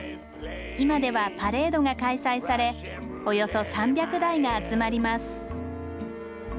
今ではパレードが開催されおよそ３００台が集まります。